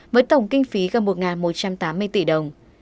với tổng kinh phí gần một một trăm tám mươi tỷ đồng